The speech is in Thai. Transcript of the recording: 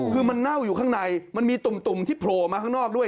คือมันเน่าอยู่ข้างในมันมีตุ่มที่โผล่มาข้างนอกด้วย